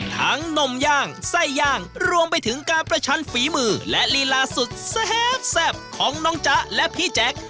นมย่างไส้ย่างรวมไปถึงการประชันฝีมือและลีลาสุดแซ่บของน้องจ๊ะและพี่แจ๊ค